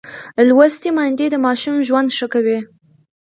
لوستې میندې د ماشوم ژوند ښه کوي.